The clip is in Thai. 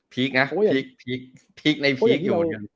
พีคนะพีคในพีคอยู่